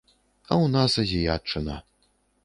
А ў нас азіятчына.